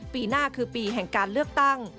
ปีหน้าคือปีแห่งการเลือกตั้ง